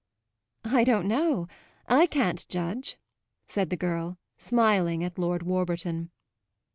"I don't know I can't judge," said the girl, smiling at Lord Warburton.